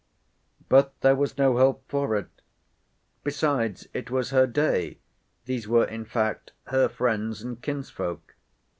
But there was no help for it. Besides, it was her day; these were, in fact, her friends and kinsfolk.